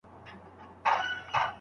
باداره! ستا رټلی مخلوق موږه رټي اوس